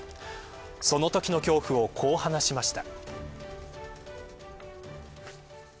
そのときの恐怖をこう話しました。